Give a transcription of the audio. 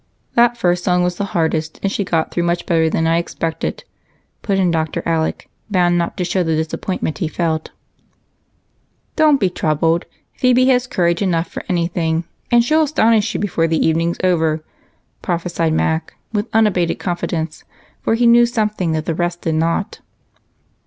"That first song was the hardest, and she got through much better than I expected," put in Dr. Alec, bound not to show the disappointment he felt. "Don't be troubled. Phebe has courage enough for anything, and she'll astonish you before the evening's over," prophesied Mac with unabated confidence, for he knew something the rest did not.